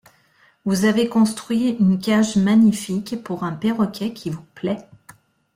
Vous avez construit une cage magnifique pour un perroquet qui vous plaît...